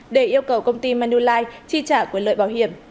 bộ công ty manulife tri trả quyền lợi bảo hiểm